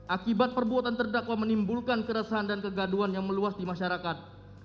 akibat perbuatan terdakwa menimbulkan keresahan dan kegaduan yang meluas di masyarakat